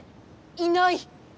いない！